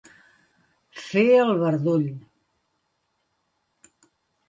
Fer el bardoll.